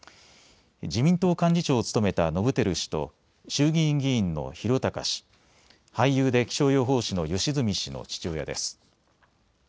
自民党幹事長を務めた伸晃氏と衆議院議員の宏高氏、俳優で気象予報士の良純氏の父親です。